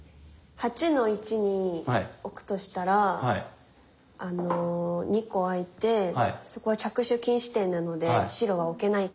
８の一に置くとしたらあの２個空いてそこは着手禁止点なので白は置けない。